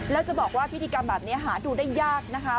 แล้วจะบอกว่าพิธีกรรมแบบนี้หาดูได้ยากนะคะ